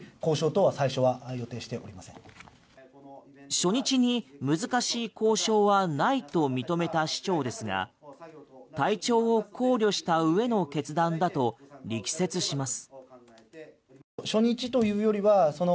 初日に難しい交渉はないと認めた市長ですが体調を考慮したうえの決断だと力説します。